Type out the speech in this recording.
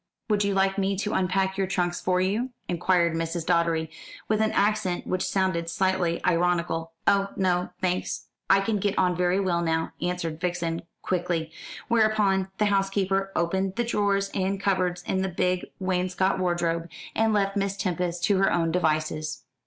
"Would you like me to unpack your trunks for you?" inquired Mrs. Doddery, with an accent which sounded slightly ironical. "Oh no, thanks, I can get on very well now," answered Vixen quickly; whereupon the housekeeper opened the drawers and cupboards in the big wainscot wardrobe, and left Miss Tempest to her own devices.